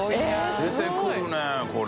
出てくるねこれ。